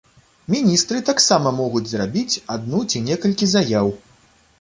Міністры таксама могуць зрабіць адну ці некалькі заяў.